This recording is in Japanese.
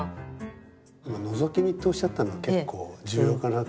今「のぞき見」っておっしゃったの結構重要かなと。